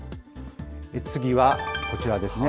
次はこちらですね。